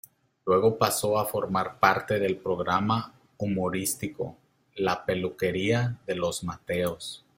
Luego pasó a formar parte del programa humorístico "La peluquería de los Mateos".